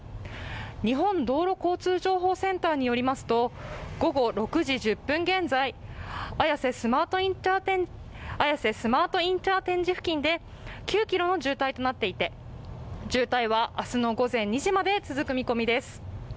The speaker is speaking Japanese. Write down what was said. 日本道路交通情報センターによりますと、午後６時１０分現在、綾瀬スマートインターチェンジ付近で９ｋｍの渋滞となっていて渋滞は明日の午前２時まで続く見込みです。